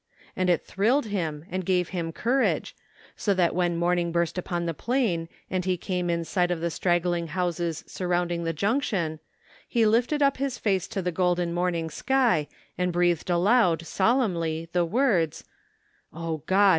" and it thrilled him and gave him courage, so that when morning burst upon the plain and he came in sight of the straggling houses surrounding the Jimction, he lifted up his face to the golden morning sky and breathed aloud solemnly the words: " Oh God